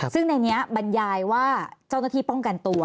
ซึ่งในนี้บรรยายว่าเจ้าหน้าที่ป้องกันตัว